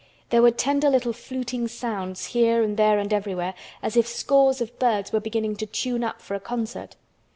There were tender little fluting sounds here and there and everywhere, as if scores of birds were beginning to tune up for a concert.